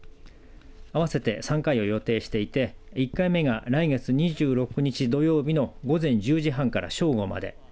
合わせて３回を予定していて１回目が来月２６日土曜日の午前１０時半から正午まで。